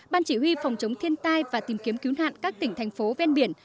ban chỉ huy phòng chống thiên tai và tìm kiếm cứu nạn các tỉnh thành phố ven biển